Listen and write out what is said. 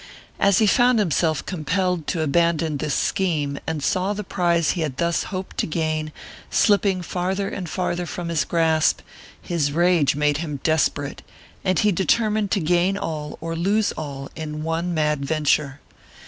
As he found himself compelled to abandon this scheme and saw the prize he had thus hoped to gain slipping farther and farther from his grasp, his rage made him desperate, and he determined to gain all or lose all in one mad venture.